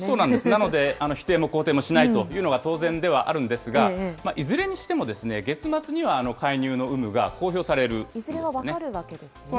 なので、否定も肯定もしないというのが当然ではあるんですが、いずれにしても、月末には介入の有いずれは分かるわけですね。